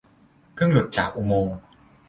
เพิ่งหลุดจากอุโมงค์